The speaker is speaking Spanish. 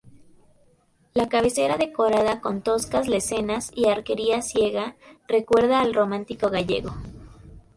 La cabecera, decorada con toscas lesenas y arquería ciega, recuerda al románico gallego.